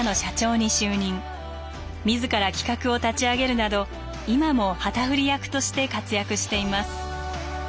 自ら企画を立ち上げるなど今も旗振り役として活躍しています。